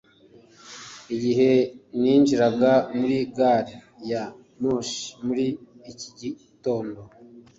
Igihe ninjiraga muri gari ya moshi muri iki gitondo